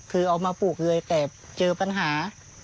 คือเอามาปลูกเลยแต่เจอปัญหา